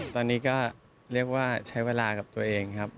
ตอนนี้ก็เรียกว่าใช้เวลากับตัวเองครับ